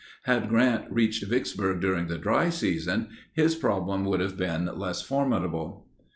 Had Grant reached Vicksburg during the dry season, his problem would have been less formidable.